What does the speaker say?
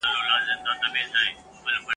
ویل خیر کړې درته څه پېښه ده ګرانه !.